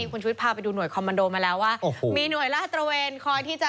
คุณชุวิตพาไปดูหน่วยคอมมันโดมาแล้วว่ามีหน่วยลาดตระเวนคอยที่จะ